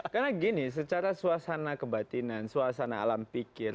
karena gini secara suasana kebatinan suasana alam pikir